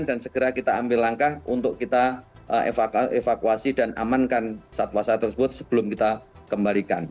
dan segera kita ambil langkah untuk kita evakuasi dan amankan satwa satwa tersebut sebelum kita kembalikan